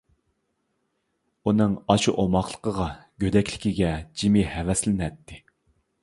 ئۇنىڭ ئاشۇ ئوماقلىقىغا، گۆدەكلىكىگە جىمى ھەۋەسلىنەتتى.